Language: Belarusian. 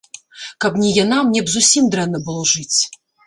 Каб не яна, мне б зусім дрэнна было жыць.